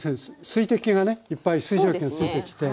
水滴がねいっぱい水蒸気がついてきて。